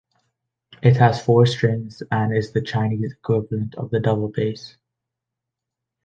It has four strings and is the Chinese equivalent of the double bass.